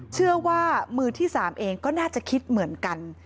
เชื่อว่ามือที่๓เองก็น่าจะคิดเหมือนกัน